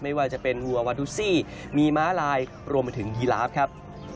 ไม่ว่าจะเป็นวัววาดุซี่มีม้าลายรวมไปถึงยีลาฟครับ